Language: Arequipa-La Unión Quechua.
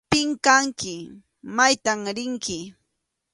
¿Pim kanki? ¿Maytam rinki?